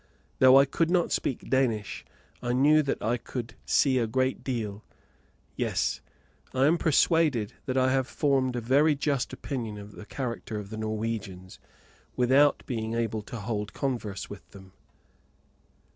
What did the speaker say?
Though I could not speak Danish I knew that I could see a great deal; yes, I am persuaded that I have formed a very just opinion of the character of the Norwegians, without being able to hold converse with them.